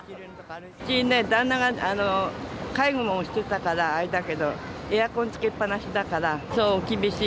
うちね、旦那が介護をしてたからあれだけど、エアコンつけっぱなしだから、そう、厳しい。